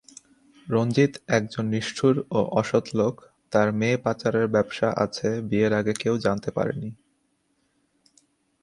রঞ্জিত একজন নিষ্ঠুর ও অসৎ লোক, তার মেয়ে পাচারের ব্যবসা আছে বিয়ের আগে কেউ জানতে পারেনি।